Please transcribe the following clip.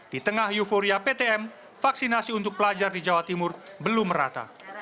di tengah euforia ptm vaksinasi untuk pelajar di jawa timur belum merata